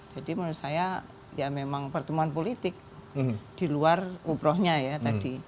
jadi menurut saya ya memang pertemuan politik di luar umrohnya ya tadi